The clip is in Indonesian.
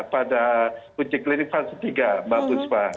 pada uji klinik fase tiga mbak buspa